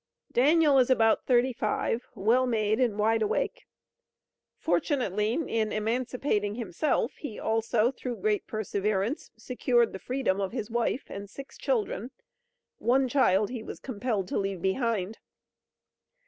Daniel is about 35, well made and wide awake. Fortunately, in emancipating himself, he also, through great perseverance, secured the freedom of his wife and six children; one child he was compelled to leave behind.